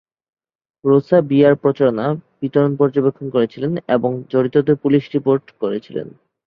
Rosa BR প্রচারণা বিতরণ পর্যবেক্ষণ করেছিলেন এবং জড়িতদের পুলিশে রিপোর্ট করেছিলেন।